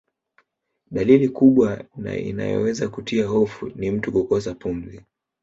Dalili kubwa na inayoweza kutia hofu ni mtu kukosa pumzi